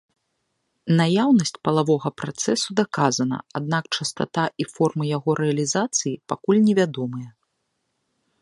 Наяўнасць палавога працэсу даказана, аднак частата і формы яго рэалізацыі пакуль невядомыя.